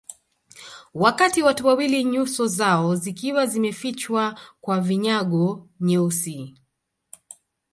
Wakati watu wawili nyuso zao zikiwa zimefichwa kwa vinyago nyeusi